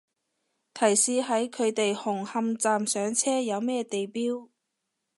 提示係佢哋紅磡站上車，有咩地標